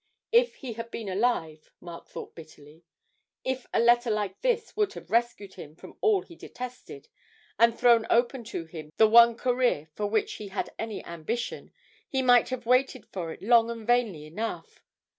If he had been alive, Mark thought bitterly; if a letter like this would have rescued him from all he detested, and thrown open to him the one career for which he had any ambition, he might have waited for it long and vainly enough.